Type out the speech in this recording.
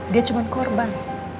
dia cuma korban